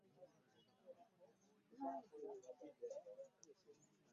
Ebyagenda obubi byonna nabiraba.